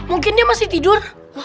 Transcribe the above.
mungkin dia masih tidur